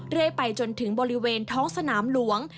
เรื่อยไปจนถึงบริเวณท้องสนามหลวง